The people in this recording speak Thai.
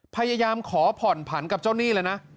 พยายามขอผ่อนผันกับเจ้าหนี้เลยนะ